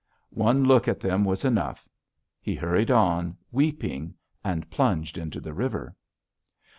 One look at them was enough; he hurried on, weeping, and plunged into the river.